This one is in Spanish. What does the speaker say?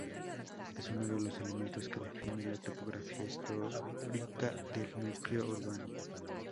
Es uno de los elementos que define la topografía histórica del núcleo urbano.